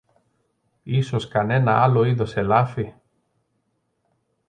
Ίσως κανένα άλλο είδος ελάφι;